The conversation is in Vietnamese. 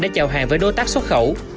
để chào hàng với đối tác xuất khẩu